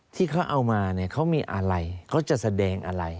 ที่เขาเอามาเนี่ยเขามีอะไรเขาจะแสดงอะไร